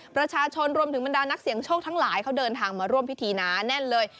ประชาชนรวมถึงบรรดานักเสี่ยงโชคทั้งหลายเขาเดินทางมาร่วมพิธีหนาแน่นเลย